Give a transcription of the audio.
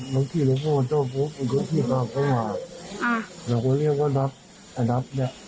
นัทรู้ป่ะว่าเค้าขี่รถตามมา